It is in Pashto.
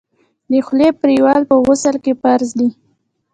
د خولې پریولل په غسل کي فرض دي.